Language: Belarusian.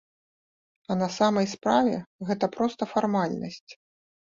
А на самай справе гэта проста фармальнасць.